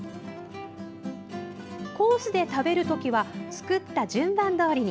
コースで食べるときは作った順番どおりに。